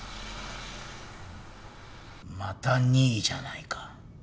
また２位じゃないか。